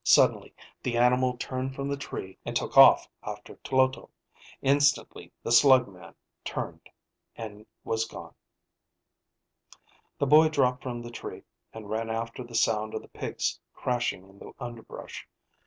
Suddenly the animal turned from the tree and took off after Tloto. Instantly the slug man turned and was gone. The boy dropped from the tree and ran after the sound of the pig's crashing in the underbrush.